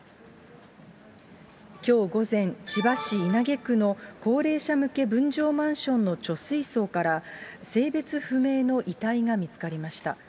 きょう午前、千葉市稲毛区の高齢者向け分譲マンションの貯水槽から、性別不明の遺体が見つかりました。